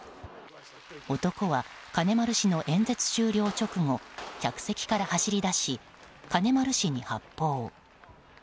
男は金丸氏の演説終了直後客席から走りだし金丸氏に発砲。